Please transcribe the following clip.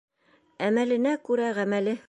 Әмәленә күрә ғәмәле.